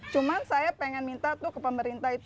cuma saya ingin minta ke pemerintah